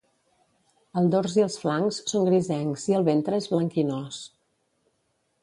El dors i els flancs són grisencs i el ventre és blanquinós.